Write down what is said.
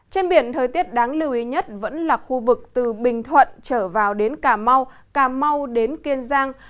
trên biển thời tiết đáng lưu ý nhất vẫn là khu vực từ bình thuận trở vào đến cà mau cà mau đến kiên giang